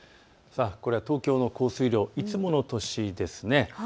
これは東京の降水量、いつもの年です。